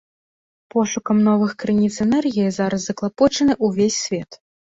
Пошукам новых крыніц энергіі зараз заклапочаны ўвесь свет.